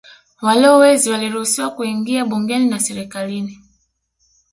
Walowezi waliruhusiwa kuingia bungeni na serikalini